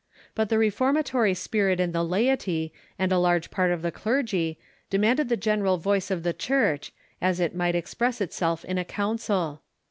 But the reformatory spirit in the laity and a large part of the cler gy demanded the general voice of the Church, as it might ex press itself in a council.